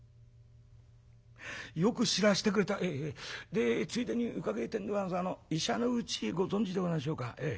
「でついでに伺いてえんでござんすが医者のうちご存じでござんしょうか？